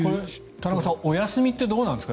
田中さんお休みってどうなんですか？